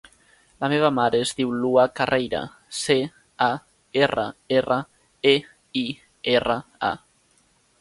La meva mare es diu Lua Carreira: ce, a, erra, erra, e, i, erra, a.